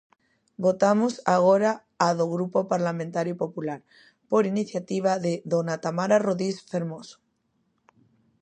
Votamos agora a do Grupo Parlamentario Popular, por iniciativa de dona Tamara Rodís Fermoso.